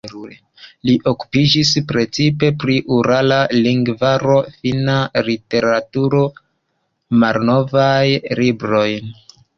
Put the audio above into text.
Li okupiĝis precipe pri urala lingvaro, finna literaturo, malnovaj libroj.